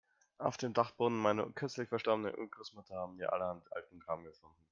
Auf dem Dachboden meiner kürzlich verstorbenen Urgroßmutter haben wir allerhand alten Kram gefunden.